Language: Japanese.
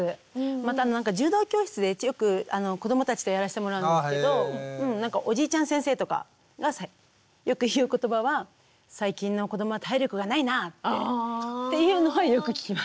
また柔道教室でよく子どもたちとやらせてもらうんですけどなんかおじいちゃん先生とかがよく言う言葉は「最近の子どもは体力がないな」っていうのはよく聞きます。